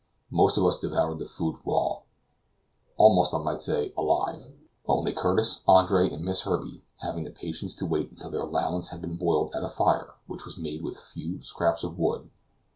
Most of us devoured the food raw, almost I might say, alive; only Curtis, Andre, and Miss Herbey having the patience to wait until their allowance had been boiled at a fire which they made with a few scraps of wood.